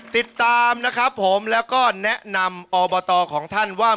ติดตามนะครับผมแล้วก็แนะนำอบตของท่านว่า